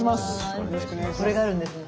これがあるんですね。